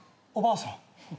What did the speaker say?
おばあさん